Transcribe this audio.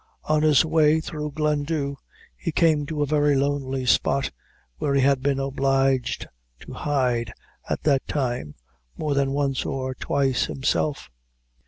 On his way through Glendhu he came to a very lonely spot, where he had been obliged to hide, at that time, more than once or twice, himself.